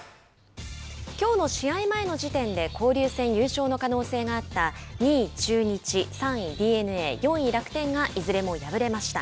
きょうの試合前の時点で優勝の可能性があった２位中日、３位ＤｅＮＡ、４位楽天がいずれも敗れました。